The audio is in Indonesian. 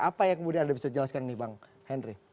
apa yang kemudian anda bisa jelaskan ini bang henry